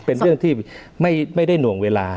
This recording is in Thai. เป็นเรื่องที่ไม่ได้หน่วงเวลา